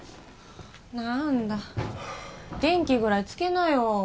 何だ電気ぐらいつけなよ